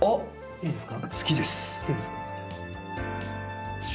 いいですか。